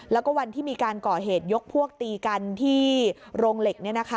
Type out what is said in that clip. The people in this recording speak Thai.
แล้วก็วันที่มีการก่อเหตุยกพวกตีกันที่โรงเหล็ก